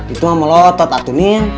itu mak melotot atu niel